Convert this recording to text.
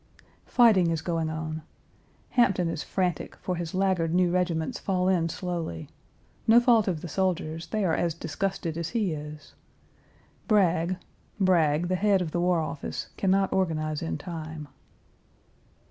Fighting is going on. Hampton is frantic, for his laggard new regiments fall in slowly; no fault of the soldiers; they are as disgusted as he is. Bragg, Bragg, the head of the War Office, can not organize in time.